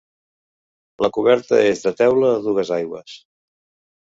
La coberta és de teula a dues aigües.